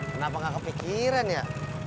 kenapa gak kepikiran ya